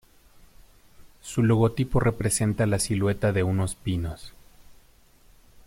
Su logotipo representa la silueta de unos pinos.